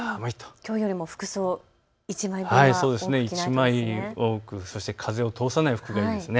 きょうよりも服装１枚多くそして風を通さない服がいいですね。